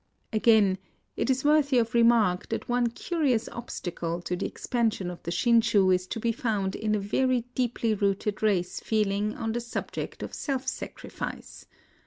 Again, it is worthy of remark that one curious obstacle to the expansion of the Shin shu is to be found in a very deeply rooted race feeling on the subject of self sacrifice.